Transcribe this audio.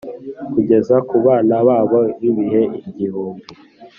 kugeza ku bana babo b’ibihe igihumbi.